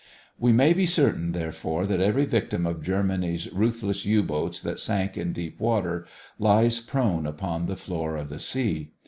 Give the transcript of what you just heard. We may be certain, therefore, that every victim of Germany's ruthless U boats that sank in deep water lies prone upon the floor of the sea.